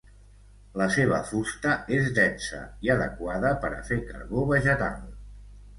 La seva fusta és densa i adequada per a fer carbó vegetal.